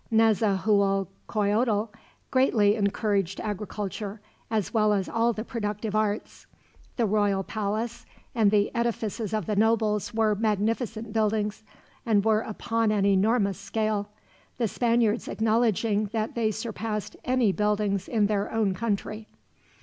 Nezahualcoyotl greatly encouraged agriculture, as well as all the productive arts. The royal palace and the edifices of the nobles were magnificent buildings, and were upon an enormous scale, the Spaniards acknowledging that they surpassed any buildings in their own country.